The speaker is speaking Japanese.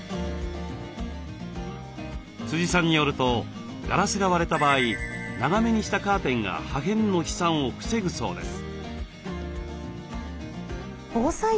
さんによるとガラスが割れた場合長めにしたカーテンが破片の飛散を防ぐそうです。